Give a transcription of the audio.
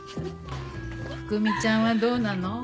福美ちゃんはどうなの？